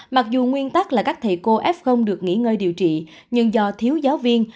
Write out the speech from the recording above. mặc dù nguyên tắc là các thầy cô f được nghỉ ngơi điều trị nhưng do thiếu giáo viên